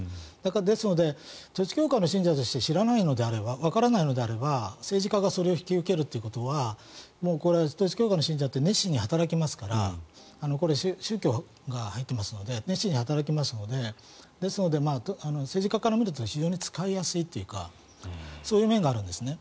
ですので、統一教会の信者として知らないのであればわからないのであれば政治家がそれを引き受けることはこれは統一教会の信者って熱心に働きますから宗教が入っていますので熱心に働きますのでですので、政治家から見ると非常に使いやすいというかそういう面があるんですね。